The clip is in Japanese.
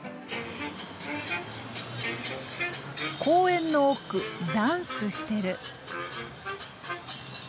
公園の奥ダンスしてる。